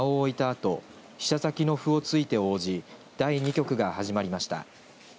あと飛車先の歩を突いて応じ第２局が始まりました。